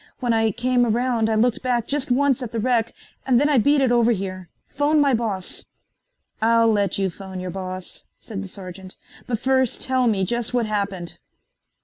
When I came around I looked back just once at the wreck and then I beat it over here. Phone my boss." "I'll let you phone your boss," said the sergeant, "but first tell me just what happened."